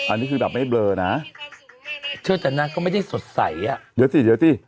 อันนี้คือแบบไม่เบลอนะเชื่อแต่นางก็ไม่ได้สดใสอ่ะเดี๋ยวสิเดี๋ยวสิ